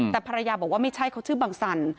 แต่ภรรยาบอกว่าไม่ใช่เขาชื่อบังสัน